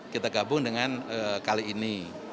kita gabung dengan kali ini